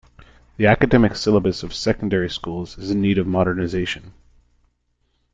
The academic syllabus of secondary schools is in need of modernization.